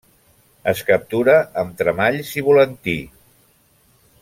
Es captura amb tremalls i volantí.